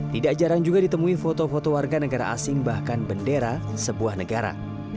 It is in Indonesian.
tidak jarang juga ditemui foto foto warga negara asing bahkan bendera sebuah negara